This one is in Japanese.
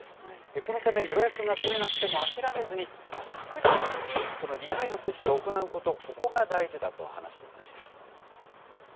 このため、予約が取れなくても諦めずに、確実に２回の接種を行うこと、ここが大事だと話していました。